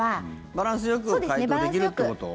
バランスよく解凍できるってこと？